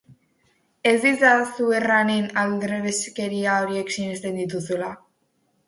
Ez didazu erranen aldrebeskeria horiek sinesten dituzula?